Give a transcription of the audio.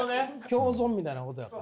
共存みたいなことやから。